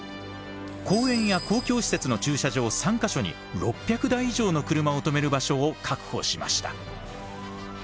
公園や公共施設の駐車場３か所に６００台以上の車を止める場所を確保しました。